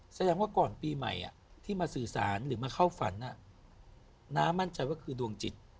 แสดงว่าก่อนปีใหม่ที่มาสื่อสารหรือมาเข้าฝันน้ามั่นใจว่าคือดวงจิต